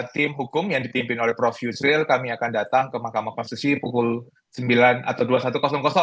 tim hukum yang dipimpin oleh prof yusril kami akan datang ke mahkamah konstitusi pukul sembilan atau dua puluh satu